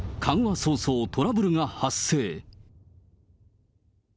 早々、トラブルが発生。